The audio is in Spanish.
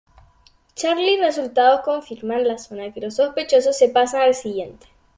Charlie resultados confirman la zona que los sospechosos se pasa al siguiente.